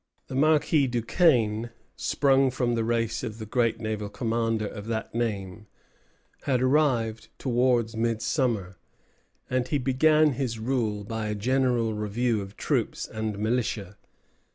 The Marquis Duquesne, sprung from the race of the great naval commander of that name, had arrived towards midsummer; and he began his rule by a general review of troops and militia.